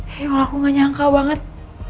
ya allah aku gak nyangka banget